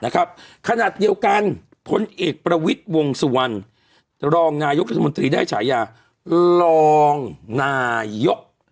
ขนาดเดียวกันพลเอกประวิทย์วงสุวรรณรองนายกรัฐมนตรีได้ฉายารองนายก